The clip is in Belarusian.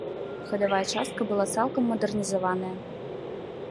Хадавая частка была цалкам мадэрнізаваная.